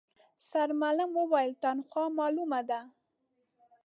سرمعلم وويل، تنخوا مالومه ده.